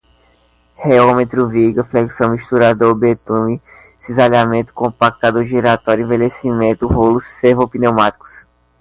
reômetro, viga, flexão, misturador, betume, cisalhamento, compactador giratório, envelhecimento, rolos, servo-pneumático